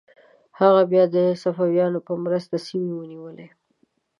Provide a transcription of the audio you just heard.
هغه بیا د صفویانو په مرسته سیمې ونیولې.